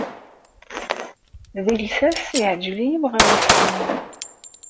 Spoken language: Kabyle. Deg llsas, yeɛjeb-iyi uɣawas-nnem.